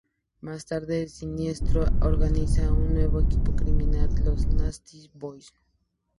Más tarde, Siniestro organizó un nuevo equipo criminal: Los Nasty Boys.